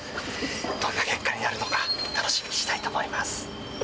どんな結果になるのか、楽しみにしたいと思います。